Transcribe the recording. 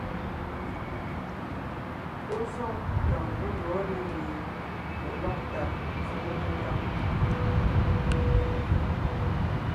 Pɔ́ zoŋ tà ńkú mbɔ̌ na mie melɔ́gtà zǒŋ kékáŋ.